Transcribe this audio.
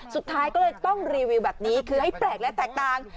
สุดท้ายก็เลยต้องรีวิวแบบนี้คือให้แปลกและแตกต่าง